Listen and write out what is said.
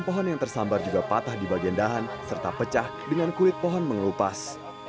pohon yang tersambar juga patah di bagian dahan serta pecah dengan kulit pohon mengelupas